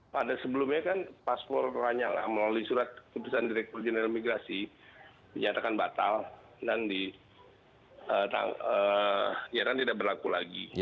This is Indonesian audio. pada sebelumnya kan paspor lanyala melalui surat keputusan direktur jenderal migrasi dinyatakan batal dan tidak berlaku lagi